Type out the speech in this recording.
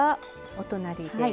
お隣です。